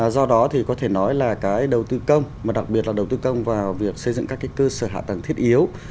do đó thì có thể nói là cái đầu tư công mà đặc biệt là đầu tư công vào việc xây dựng các cơ sở hạ tầng thiết yếu